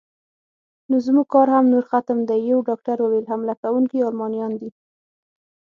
نو زموږ کار هم نور ختم دی، یو ډاکټر وویل: حمله کوونکي المانیان دي.